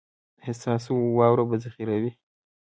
ایا ستاسو واوره به ذخیره وي؟